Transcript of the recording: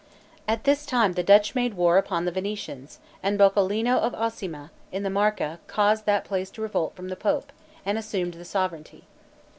At this time the Dutch made war upon the Venetians, and Boccolino of Osimo, in the Marca, caused that place to revolt from the pope, and assumed the sovereignty.